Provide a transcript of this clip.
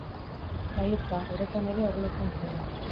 Baietz ba! Aurrekoan ere horrela izan zela!